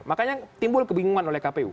makanya timbul kebingungan oleh kpu